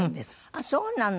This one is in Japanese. あっそうなの？